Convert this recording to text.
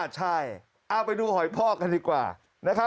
ใช่เอาไปดูหอยพอกกันดีกว่า